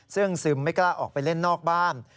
ซึ่งซึมไม่กล้าออกไปเล่นนอกบ้าน